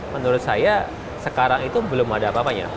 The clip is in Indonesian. menurut saya sekarang itu belum ada apa apanya